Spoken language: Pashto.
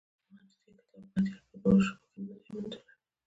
ما د دې کتاب بدیل په نورو ژبو کې نه دی موندلی.